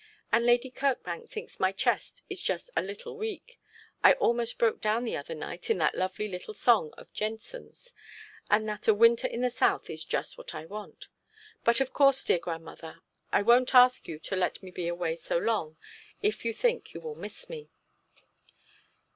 And Lady Kirkbank thinks my chest is just a little weak I almost broke down the other night in that lovely little song of Jensen's and that a winter in the south is just what I want. But, of course, dear grandmother, I won't ask you to let me be away so long if you think you will miss me.'